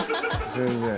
全然。